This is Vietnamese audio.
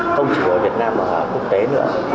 không chỉ ở việt nam mà ở quốc tế nữa